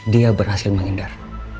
dia berhasil mengendar